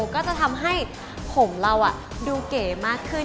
ก็จะทำให้ผมเราดูเก๋มากขึ้น